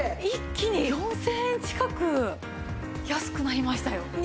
一気に４０００円近く安くなりましたよ。